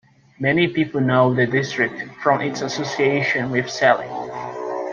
Many people know the district from its association with sailing.